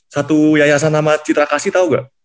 satu yayasan nama citra kasih tau gak